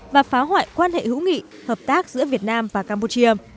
và phá hoại quan hệ hữu nghị hợp tác giữa việt nam và campuchia